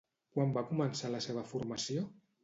Quan va començar la seva formació?